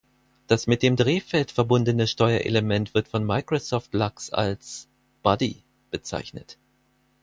Das mit dem Drehfeld verbundene Steuerelement wird von Microsoft lax als „Buddy“ bezeichnet.